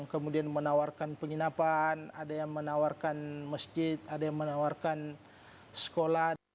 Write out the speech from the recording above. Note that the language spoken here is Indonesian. kemudian menawarkan penginapan ada yang menawarkan masjid ada yang menawarkan sekolah